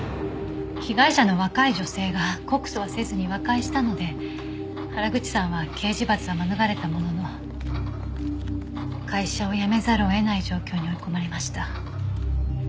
被害者の若い女性が告訴はせずに和解したので原口さんは刑事罰は免れたものの会社を辞めざるを得ない状況に追い込まれました。